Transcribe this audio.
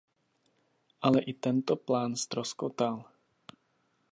Ale i tento plán ztroskotal.